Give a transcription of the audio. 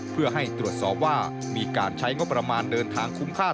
เพื่อให้ตรวจสอบว่ามีการใช้งบประมาณเดินทางคุ้มค่า